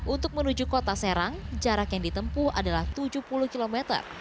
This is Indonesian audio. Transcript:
untuk menuju kota serang jarak yang ditempuh adalah tujuh puluh km